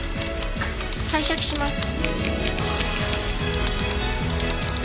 拝借します。